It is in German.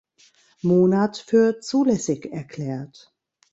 Monat für zulässig erklärt.